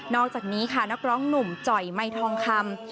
อกจากนี้ค่ะนักร้องหนุ่มจ่อยไมทองคำ